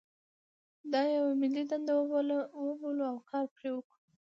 دا یوه ملي دنده وبولو او کار پرې وکړو.